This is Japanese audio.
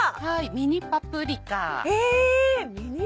ミニパプリカ？